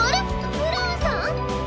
ブラウンさん？